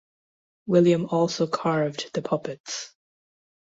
William also carved the puppets.